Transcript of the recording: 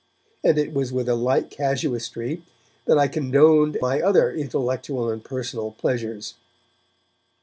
And it was with a like casuistry that I condoned my other intellectual and personal pleasures.